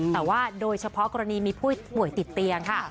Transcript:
แต่ว่าโดยเฉพาะกรณีมีผู้ป่วยติดเตียงค่ะ